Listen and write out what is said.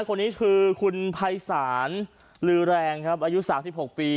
คนนี้คือคุณพัยสารลื้อแรงครับอายุสามสิบหกปี